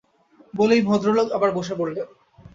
বলেই ভদ্রলোক আবার বসে পড়লেন।